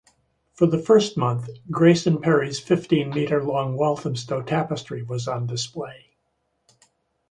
For the first month, Grayson Perry's fifteen-metre long Walthamstow Tapestry was on display.